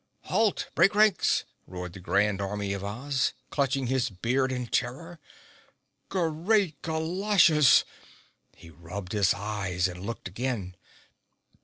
"Halt! Break ranks!" roared the Grand Army of Oz, clutching his beard in terror. "Great Goloshes!" He rubbed his eyes and looked again.